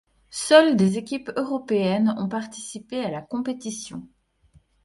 Seules des équipes européennes ont participé à la compétition.